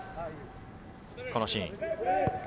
このシーン。